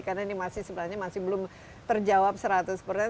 karena ini masih sebenarnya masih belum terjawab seratus persen